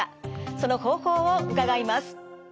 その方法を伺います。